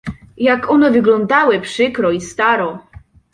"Jak one wyglądały przykro i staro!"